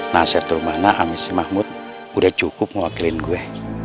nasihat rumahnya amis si mahmud udah cukup mewakili gue